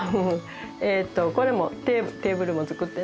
これもテーブルも作ってね。